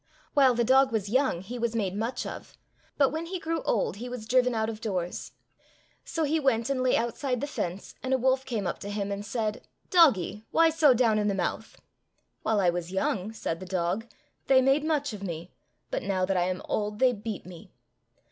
While the dog was young he was made much of, but when he grew old he was driven out of doors. So he went and lay outside the fence, and a wolf came up to him and said, '' Doggy, why so down in the mouth ?"—" While I was young," said the dog, " they made much of me ; but now that I am old they beat me."